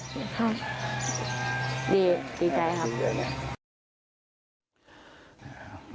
ดีดีใจครับ